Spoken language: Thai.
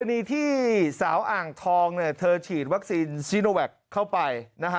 กรณีที่สาวอ่างทองเธอฉีดวัคซีนซีโนแวคเข้าไป